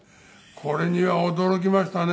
これには驚きましたね。